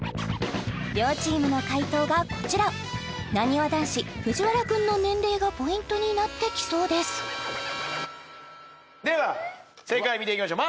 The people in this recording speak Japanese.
両チームの解答がこちらなにわ男子藤原くんの年齢がポイントになってきそうですでは正解見ていきましょう